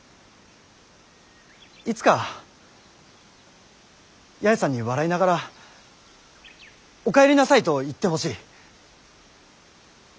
いつか八重さんに笑いながらお帰りなさいと言ってほしい。